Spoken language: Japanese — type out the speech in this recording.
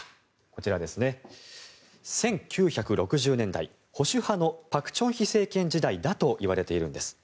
こちら、１９６０年代保守派の朴正煕政権時代だといわれているんです。